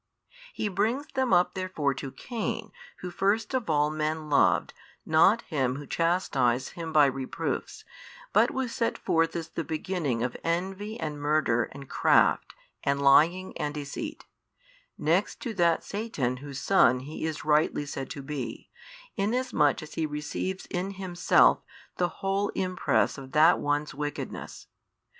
He brings them up therefore to Cain who first of all men loved not Him who chastised him by reproofs, but was set forth as the beginning of envy and murder and craft and lying and deceit, next to that Satan whose son he is rightly said to be, inasmuch as he receives in himself the whole impress of that one's wickedness.